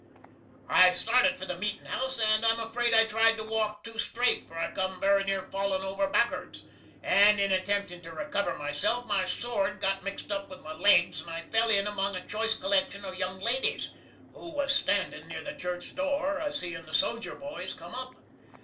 I started for the meetin house, and I'm afraid I tried to walk too strate, for I cum very near fallin over backards; and in attemptin to recover myself, my sword got mixed up with my legs, and I fell in among a choice collection of young ladies, who was standin near the church door a seein the sojer boys come up.